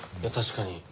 確かに。